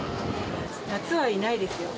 夏はいないですよ。